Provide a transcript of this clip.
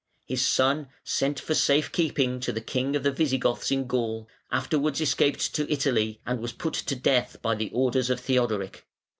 His son, sent for safe keeping to the king of the Visigoths in Gaul, afterwards escaped to Italy and was put to death by the orders of Theodoric.